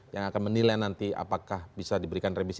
yang akan menilai nanti apakah bisa diberikan remisi